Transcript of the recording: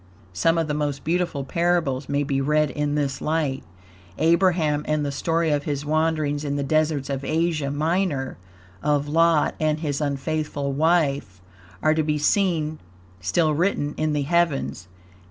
Some of the most beautiful parables may be read in this light. Abraham, and the story of his wanderings in the deserts of Asia Minor; of Lot and his unfaithful wife, are to be seen still written in the heavens.